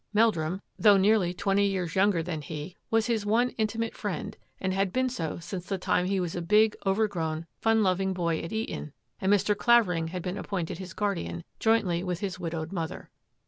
Mel drum, though nearly twenty years younger than 140 THAT AFFAIR AT THE MANOR he, was his one Intimate friend and had been so since the time he was a big, overgrown, fun loving boy at Eton and Mr. Clavering had been appointed his guardian, jointly with his widowed mother.